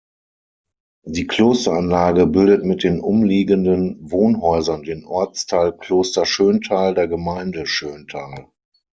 Die Klosteranlage bildet mit den umliegenden Wohnhäusern den Ortsteil Kloster Schöntal der Gemeinde Schöntal.